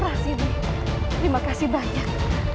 prasini terima kasih banyak